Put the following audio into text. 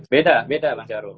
beda beda pak charo